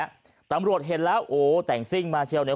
แต่ตำรวจเห็นละโอ้อวแต่งสิ้งมาเชียวหนึ่ง